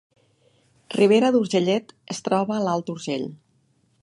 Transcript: Ribera d’Urgellet es troba a l’Alt Urgell